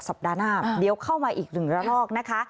สัปดาห์หน้าเดี๋ยวเข้ามาอีกหนึ่งระลอกนะคะ